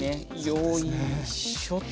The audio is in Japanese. よいしょと。